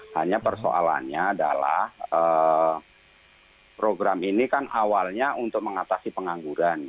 hanya persoalannya adalah program ini kan awalnya untuk mengatasi pengangguran